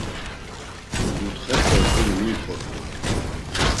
Mutxepe guri mimxort̆u.